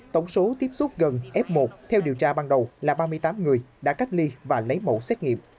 tổng số tiếp xúc gần f một theo điều tra ban đầu là ba mươi tám người đã cách ly và lấy mẫu xét nghiệm